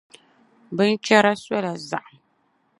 Binchɛra sola zaɣim.